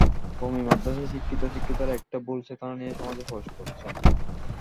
কওমি মাদ্রাসায় শিক্ষিত শিক্ষার্থীরা একটা ভুল চেতনা নিয়ে সমাজে প্রবেশ করছেন।